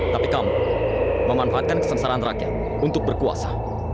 tapi kamu memanfaatkan kesengsaraan rakyat untuk berkuasa